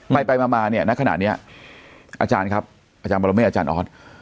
ไปไปมาเนี่ยณขณะนี้อาจารย์ครับอาจารย์ปรเมฆอาจารย์ออส